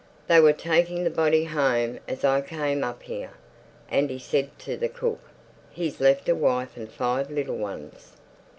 "They were taking the body home as I come up here." And he said to the cook, "He's left a wife and five little ones."